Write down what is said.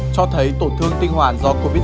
cho thấy tổn thương tinh hoàn do covid một mươi chín